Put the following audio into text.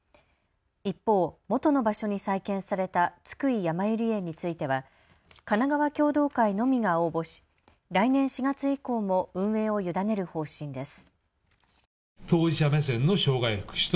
一方、元の場所に再建された津久井やまゆり園についてはかながわ共同会のみが応募し来年４月以降も運営を委ねる方針です。